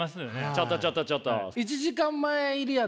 ちょっとちょっとちょっと。